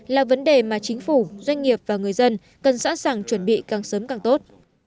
là vấn đề mà chính phủ doanh nghiệp và người dân cần sẵn sàng chuẩn bị càng sớm càng tốt